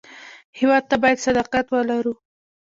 هېواد ته باید صداقت ولرو